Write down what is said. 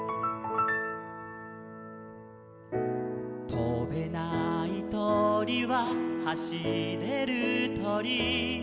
「とべないとりははしれるとり」